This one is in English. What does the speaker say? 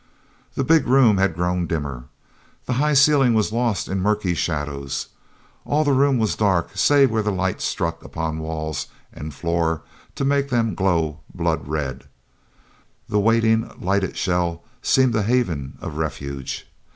The big room had grown dimmer. The high ceiling was lost in murky shadows. All the room was dark save where that light struck upon walls and floor to make them glow blood red. The waiting lighted shell seemed a haven of refuge.